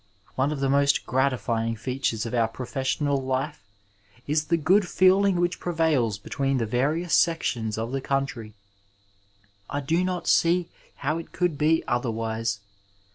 One of the most gratifying features of our professional life is the good feeling which prevails between the various sections of the countiy. I do not see how it could be otherwise.